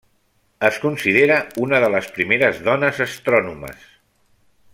Es considera una de les primeres dones astrònomes.